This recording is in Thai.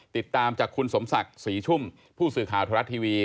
ติดตามจากคุณสมศักดิ์ศรีชุ่มผู้สื่อข่าวธรรมรัฐทีวี